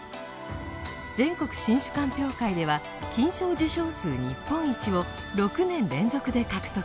全国新酒鑑評会では金賞受賞数日本一を６年連続で獲得。